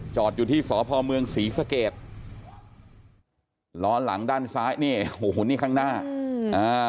จอดอยู่ที่สพมศรีสเกตล้อหลังด้านซ้ายนี่โหนี่ข้างหน้า